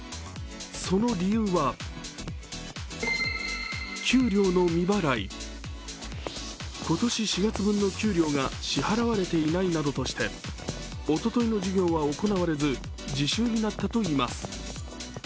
その理由は今年４月分の給料が支払われていないなどとしておとといの授業は行われず自習になったといいます。